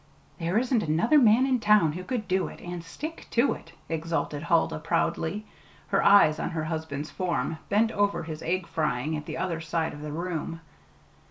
"There isn't another man in town who could do it and stick to it!" exulted Huldah proudly, her eyes on her husband's form, bent over his egg frying at the other side of the room.